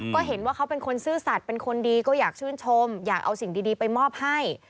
ก็เห็นว่าเขาเป็นคนซื่อสัตว์เป็นคนดีก็อยากชื่นชมอยากเอาสิ่งดีไปมอบให้